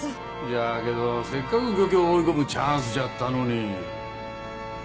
じゃけどせっかく漁協を追い込むチャンスじゃったのに。